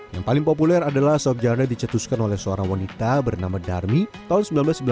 yang paling populer adalah sop janda dicetuskan oleh seorang wanita bernama darmi tahun seribu sembilan ratus sembilan puluh